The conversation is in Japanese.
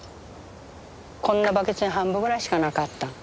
こんなバケツに半分ぐらいしかなかった。